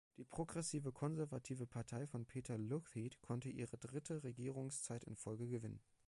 Die Progressive Konservative Partei von Peter Lougheed konnte ihre dritte Regierungszeit in Folge gewinnen.